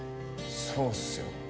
そうっすよ。